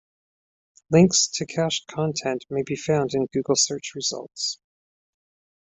Links to cached contents may be found in Google search results.